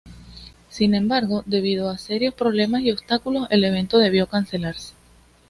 Sin embargo, debido a serios problemas y obstáculos el evento debió cancelarse.